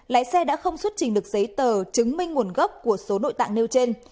lái xe đã không xuất trình được giấy tờ chứng minh nguồn gốc của số nội tạng nêu trên